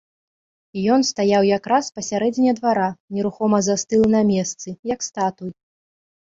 Ён стаяў якраз пасярэдзіне двара, нерухома застылы на месцы, як статуй.